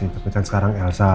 tapi kan sekarang elsa